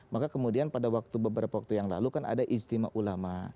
maka kemudian pada waktu beberapa waktu yang lalu kan ada ijtima ulama